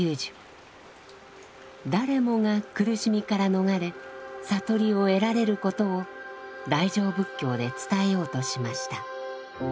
誰もが苦しみから逃れ悟りを得られることを大乗仏教で伝えようとしました。